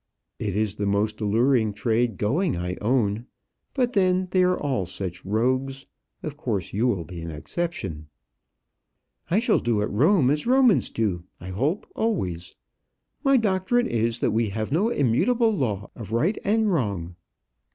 "It is the most alluring trade going, I own; but then they are all such rogues. Of course you will be an exception." "I shall do at Rome as Romans do I hope always. My doctrine is, that we have no immutable law of right and wrong."